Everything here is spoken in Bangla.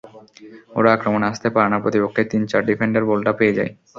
ওরা আক্রমণে আসতে পারে না, প্রতিপক্ষের তিন-চার ডিফেন্ডার বলটা পেয়ে যায়।